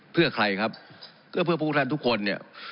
เพื่อใครครับเพื่อพวกท่านทุกคนเนี่ย